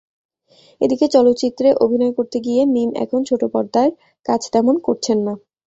এদিকে চলচ্চিত্রে অভিনয় করতে গিয়ে মিম এখন ছোট পর্দার কাজ তেমন করছেন না।